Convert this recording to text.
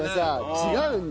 違うんだ。